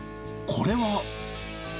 これは。